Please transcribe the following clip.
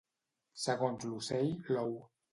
Segons l'ocell, l'ou.